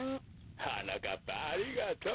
はなかっぱありがとう。